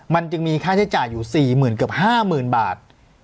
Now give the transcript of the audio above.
มันจึงมีค่าใช้จ่ายอยู่๔๐๐๐เกือบ๕๐๐๐บาท